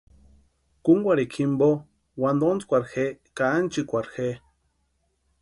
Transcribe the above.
Kúnkwarhikwa jimpo, wantontskwarhi je ka ánchikwarhi je.